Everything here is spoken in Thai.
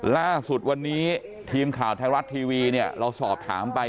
ล่าสุดวันนี้ทีมข่าวไทยรัฐทีวีเนี่ยเราสอบถามไป